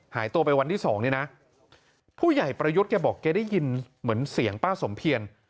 หายตัวไปวันที่สองเนี่ยนะผู้ใหญ่ประยุทธ์แกบอกแกได้ยินเหมือนเสียงป้าสมเพียร